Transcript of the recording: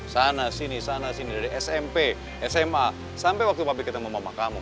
sana sini sana sini dari smp sma sampai waktu pabrik ketemu mama kamu